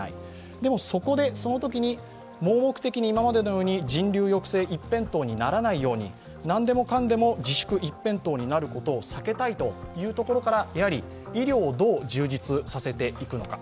でも、そこでそのときに盲目的に今までのように人流抑制一辺倒にならないようになんでもかんでも自粛一辺倒になることを避けたいというところから医療をどう充実させていくのか。